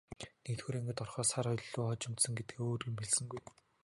Нэгдүгээр ангид ороход сар илүү хожимдсон гэдгээс өөр юм хэлсэнгүй.